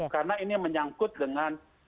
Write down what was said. karena ini menyangkut dengan